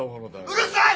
うるさい！